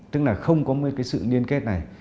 tức là không có một cái sự liên kết này